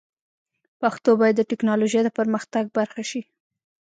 پښتو باید د ټکنالوژۍ د پرمختګ برخه شي.